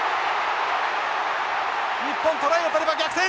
日本トライを取れば逆転！